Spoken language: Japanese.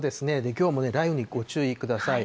きょうも雷雨にご注意ください。